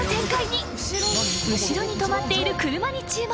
［後ろに止まっている車に注目］